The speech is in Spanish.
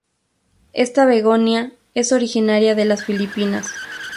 Esta begonia es originaria de las Filipinas.